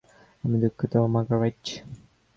আমি দুঃখিত, মার্গারেট।